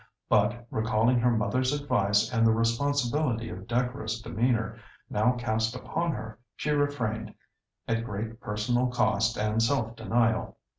But, recalling her mother's advice and the responsibility of decorous demeanour now cast upon her, she refrained, at great personal cost and self denial.